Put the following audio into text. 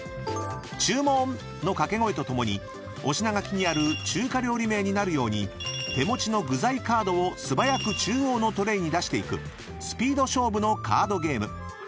［注文！の掛け声とともにお品書きにある中華料理名になるように手持ちの具材カードを素早く中央のトレーに出していくスピード勝負のカードゲーム］